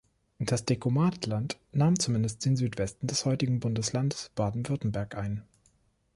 Das Dekumatland nahm zumindest den Südwesten des heutigen Bundeslandes Baden-Württemberg ein.